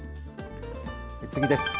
次です。